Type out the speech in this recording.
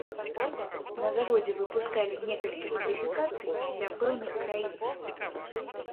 На заводзе выпускалі некалькі мадыфікацый для пэўных краін.